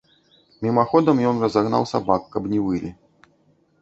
Мімаходам ён разагнаў сабак, каб не вылі.